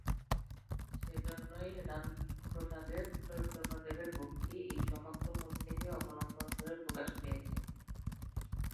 সেইজন্যই রামপ্রসাদের, চৈতন্যদেবের ভক্তি এই-সমস্ত মূর্তিকে অবলম্বন করে প্রকাশ পেয়েছে।